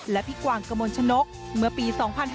และพี่กวางกระมวลชนกเมื่อปี๒๕๕๙